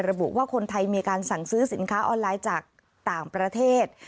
ระบุว่าคนไทยมีการสั่งซื้อสินค้าออนไลน์จากต่างประเทศ